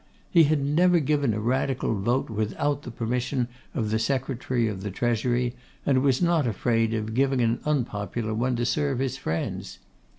He had never given a Radical vote without the permission of the Secretary of the Treasury, and was not afraid of giving an unpopular one to serve his friends.